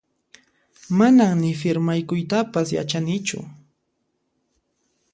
Manan ni firmaykuytapas yachanichu